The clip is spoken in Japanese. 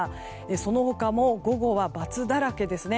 その他も午後は×だらけですね。